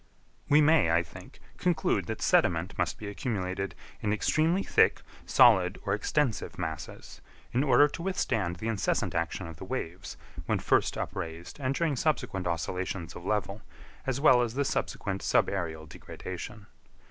We may, I think, conclude that sediment must be accumulated in extremely thick, solid, or extensive masses, in order to withstand the incessant action of the waves, when first upraised and during subsequent oscillations of level, as well as the subsequent subaërial degradation.